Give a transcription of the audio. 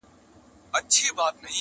شل او دېرش کاله پخوا یې ښخولم-